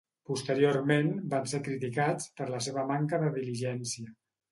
Posteriorment van ser criticats per la seva manca de diligència.